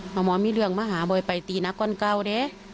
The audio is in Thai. หมอมีเรื่องมาหาบ่อยไปตีนะก้อนเก้าเด้